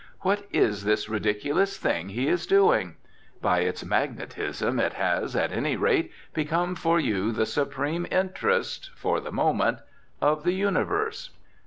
What is this ridiculous thing he is doing? By its magnetism it has, at any rate, become for you the supreme interest, for the moment, of the universe.